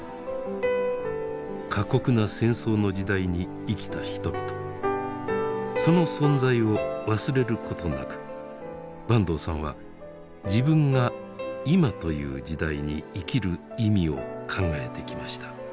過酷な戦争の時代に生きた人々その存在を忘れることなく坂東さんは自分が今という時代に生きる意味を考えてきました。